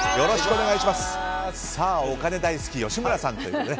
お金大好き、吉村さんというね。